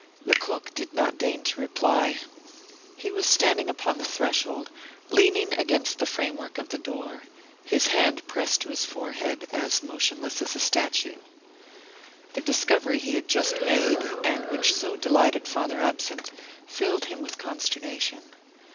Lecoq did not deign to reply. He was standing upon the threshold, leaning against the framework of the door, his hand pressed to his forehead, as motionless as a statue. The discovery he had just made, and which so delighted Father Absinthe, filled him with consternation.